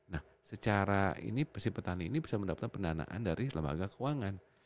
nah secara ini si petani ini bisa mendapatkan pendanaan dari lembaga keuangan